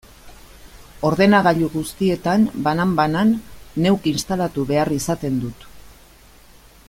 Ordenagailu guztietan, banan-banan, neuk instalatu behar izaten dut.